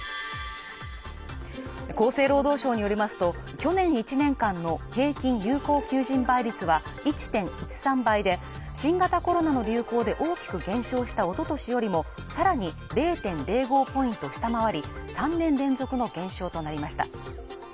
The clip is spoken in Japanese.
厚生労働省によりますと去年１年間の平均有効求人倍率は１．１３倍で新型コロナの流行で大きく減少したおととしよりもさらに０．２５ポイント下回り３年連続の減少となりました